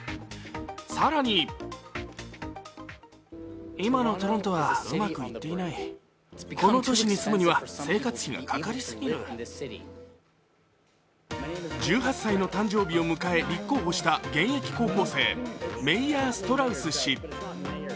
更に１８歳の誕生日を迎え、立候補した現役高校生、メイヤー・ストラウス氏。